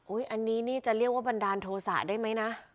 อันนี้นี่จะเรียกว่าบันดาลโทษะได้ไหมนะ